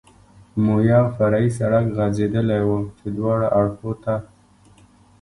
مو یو فرعي سړک غځېدلی و، چې دواړو اړخو ته.